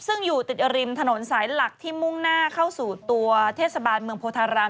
ซึ่งอยู่ติดริมถนนสายหลักที่มุ่งหน้าเข้าสู่ตัวเทศบาลเมืองโพธาราม